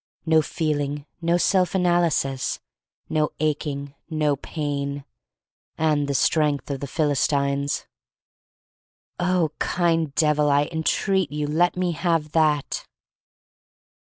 No feeling, no self analysis, no aching, no pain — and the strength of the Philistines. Oh, kind Devil, I en treat you, let me have that!